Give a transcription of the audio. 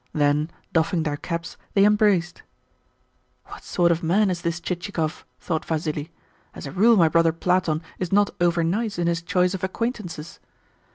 Then, doffing their caps, they embraced. "What sort of man is this Chichikov?" thought Vassili. "As a rule my brother Platon is not over nice in his choice of acquaintances."